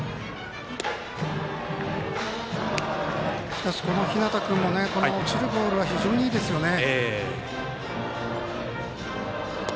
しかし、この日當君も落ちるボール非常にいいですよね。